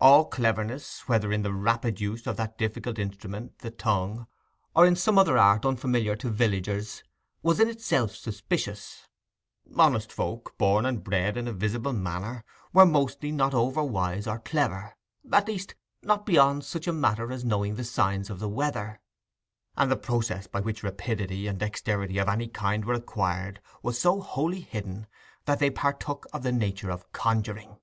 All cleverness, whether in the rapid use of that difficult instrument the tongue, or in some other art unfamiliar to villagers, was in itself suspicious: honest folk, born and bred in a visible manner, were mostly not overwise or clever—at least, not beyond such a matter as knowing the signs of the weather; and the process by which rapidity and dexterity of any kind were acquired was so wholly hidden, that they partook of the nature of conjuring.